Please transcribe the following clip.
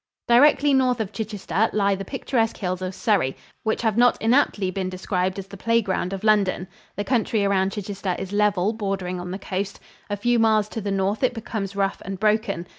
Directly north of Chichester lie the picturesque hills of Surrey, which have not inaptly been described as the play ground of London. The country around Chichester is level bordering on the coast. A few miles to the north it becomes rough and broken.